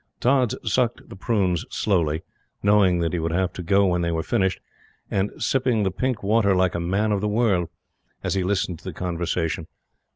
Tods sucked the prunes slowly, knowing that he would have to go when they were finished, and sipped the pink water like a man of the world, as he listened to the conversation.